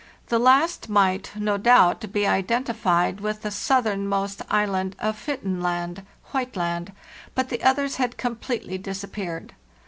The last might, no doubt, be identified with the southernmost island of Hvidtenland (White Land), but the others had com pletely disappeared.